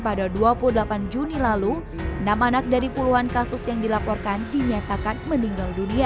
pada dua puluh delapan juni lalu enam anak dari puluhan kasus yang dilaporkan dinyatakan meninggal dunia